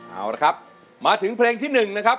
เอาละครับมาถึงเพลงที่๑นะครับ